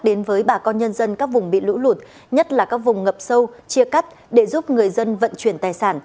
đến với bà con nhân dân các vùng bị lũ lụt nhất là các vùng ngập sâu chia cắt để giúp người dân vận chuyển tài sản